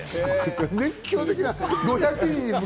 熱狂的な５００人。